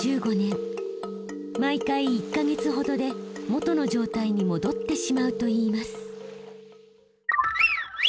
毎回１か月ほどで元の状態に戻ってしまうといいます。